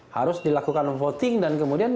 harus dilakukan voting dan kemudian